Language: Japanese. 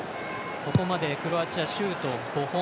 ここまでクロアチア、シュート５本。